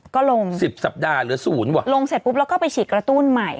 ก็ลงสิบสัปดาห์เหลือศูนย์ว่ะลงเสร็จปุ๊บแล้วก็ไปฉีดกระตุ้นใหม่